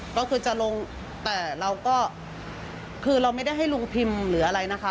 ก็คือจะลงแต่เราก็คือเราไม่ได้ให้ลุงพิมพ์หรืออะไรนะคะ